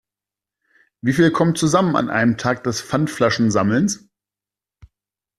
Wie viel kommt zusammen an einem Tag des Pfandflaschensammelns?